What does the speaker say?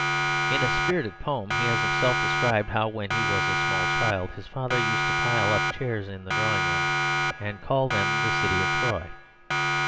In a spirited poem he has himself described how, when he was a small child, his father used to pile up chairs in the drawing room and call them the city of Troy.